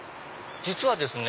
実はですね